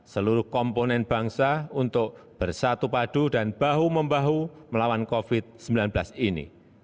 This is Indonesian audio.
seluruh komponen bangsa untuk bersatu padu dan bahu membahu melawan covid sembilan belas ini